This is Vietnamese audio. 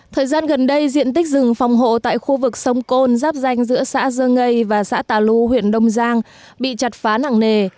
thời gian gần đây diện tích rừng phòng hộ tại khu vực sông côn giáp danh giữa xã dơ ngây và xã tà lu huyện đông giang bị chặt phá nặng nề